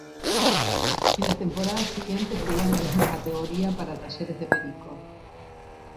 En la temporada siguiente jugó en la misma categoría para Talleres de Perico.